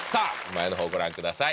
前のほうご覧ください